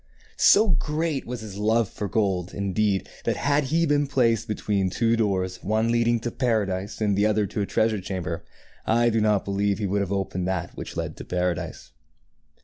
So great was his love for gold, indeed, that, had he been placed between two doors, one leading to paradise and the other to a treasure chamber, I do not believe he would have opened that which led to paradise.